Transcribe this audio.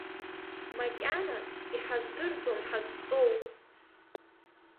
Макьана иҳаздырӡом ҳазҵоу.